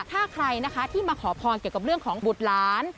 ถ้าใครนะคะที่มาขอพรเกี่ยวกับเรื่องของบุตรหลาน